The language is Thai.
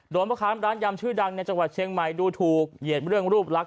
พ่อค้ามร้านยำชื่อดังในจังหวัดเชียงใหม่ดูถูกเหยียดเรื่องรูปลักษ